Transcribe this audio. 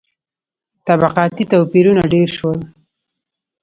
• طبقاتي توپیرونه ډېر شول.